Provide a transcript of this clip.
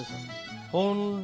ほんで。